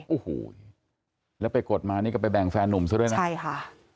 โอ้โหแล้วไปกดมานี่ก็ไปแบ่งแฟนนุ่มซะด้วยนะใช่ค่ะ